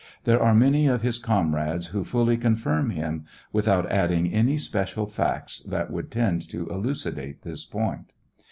There are many of his comrades who fully confirm him, without adding any special facts that would tend to elucidate this point.